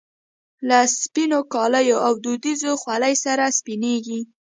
له سپینو کاليو او دودیزې خولۍ سره سپینږیری.